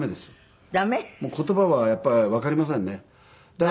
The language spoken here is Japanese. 言葉はやっぱりわかりませんね。